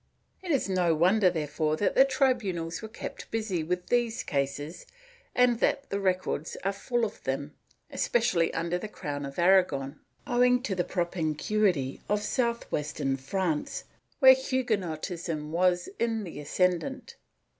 ^ It is no wonder therefore that the tribunals were kept busy with these cases and that the records are full of them, especially under the crown of Aragon, owing to the propinquity of south western France, where Huguenotism was in the ascendant.